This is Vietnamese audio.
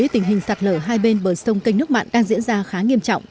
tình hình sạt lở hai bên bờ sông canh nước mặn đang diễn ra khá nghiêm trọng